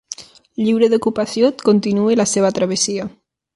Lliure d'ocupació, continua la seva travessia.